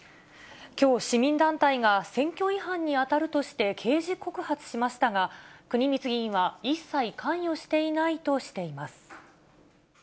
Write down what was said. きょう、市民団体が選挙違反に当たるとして刑事告発しましたが、国光議員は一切関与していないとしています。